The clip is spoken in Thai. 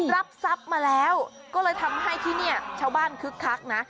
รับทรัพย์มาแล้วก็เลยทำให้ที่นี่ชาวบ้านคึกคักนะ